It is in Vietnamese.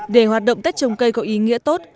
để hoạt động tết trồng cây có ý nghĩa tốt